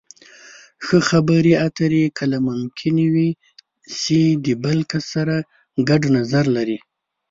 ښه خبرې اترې کله ممکنې وي چې د بل کس سره ګډ نظر لرئ.